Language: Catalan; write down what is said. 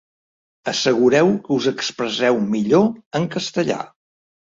Assegureu que us expresseu millor en castellà.